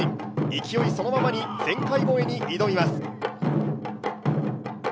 勢いそのままに前回超えに挑みます。